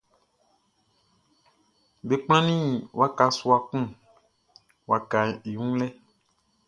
Be kplannin waka sua kun wakaʼn i wun lɛ.